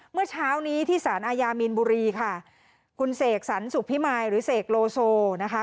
เมื่อเช้านี้ที่สารอาญามีนบุรีค่ะคุณเสกสรรสุขพิมายหรือเสกโลโซนะคะ